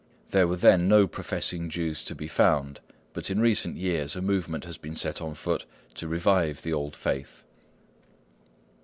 There were then no professing Jews to be found, but in recent years a movement has been set on foot to revive the old faith.